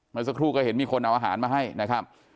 เมื่อสักครู่ก็เห็นมีคนเอาอาหารมาให้นะครับ